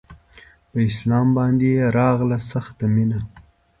په اسلام باندې يې راغله سخته مينه